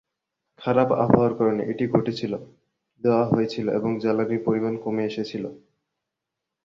খারাপ আবহাওয়ার কারণে এটি ঘটেছিল দেওয়া হয়েছিল এবং জ্বালানির পরিমান কমে এসেছিল।